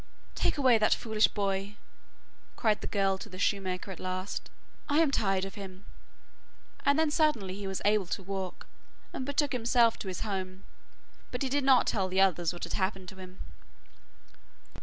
'Take away that foolish boy,' cried the girl to the shoemaker at last, 'I am tired of him,' and then suddenly he was able to walk, and betook himself to his home, but he did not tell the others what had happened to him.